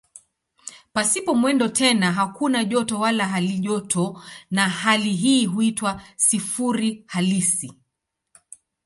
Pasipo mwendo tena hakuna joto wala halijoto na hali hii huitwa "sifuri halisi".